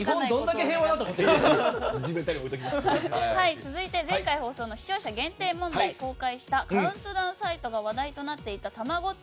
続いて、前回放送の視聴者限定問題カウントダウンサイトが話題となっていた「たまごっち」。